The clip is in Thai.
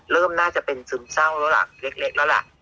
เริ่มน่าจะเป็นซึมเศร้าแล้วล่ะเล็กแล้วล่ะ